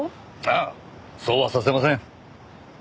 ああそうはさせません。